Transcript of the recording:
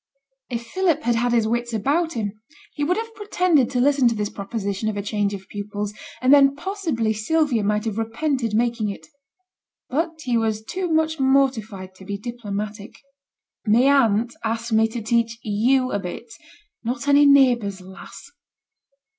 If Philip had had his wits about him, he would have pretended to listen to this proposition of a change of pupils, and then possibly Sylvia might have repented making it. But he was too much mortified to be diplomatic. 'My aunt asked me to teach you a bit, not any neighbour's lass.'